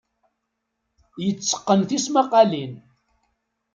Yetteqqen tismaqqalin.